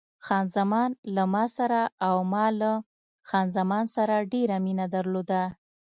خان زمان له ما سره او ما له خان زمان سره ډېره مینه درلوده.